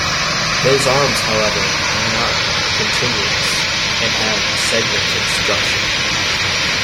Those arms, however, are not continuous and have a segmented structure.